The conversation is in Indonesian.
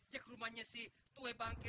cek rumahnya si tuwe bangke